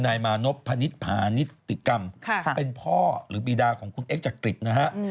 นายมานพพนิษฐพานิสติกรรมเป็นพ่อหรือบีดาของคุณเอ็กจักริตนะฮะ